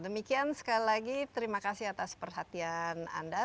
demikian sekali lagi terima kasih atas perhatian anda